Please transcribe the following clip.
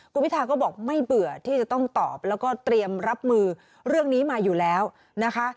คุณพิทาก็บอกไม่เบื่อที่จะต้องตอบแล้วก็เตรียมรับมือเรื่องนี้มาอยู่แล้วนะคะ